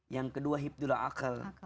yang kedua hibdula akal